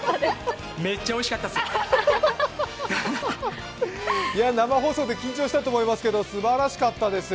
めっちゃおいしかったっす。